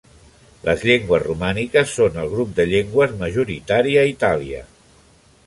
Les llengües romàniques són el grup de llengües majoritari a Itàlia.